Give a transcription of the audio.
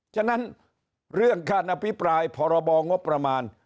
ฉะนั้นเรื่องการอภิปรายพรบงบประมาณ